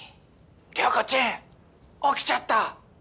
涼子ちん起きちゃった！